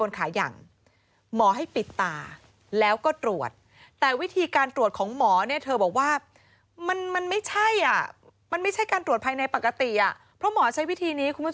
นานเป็น๒๐นาที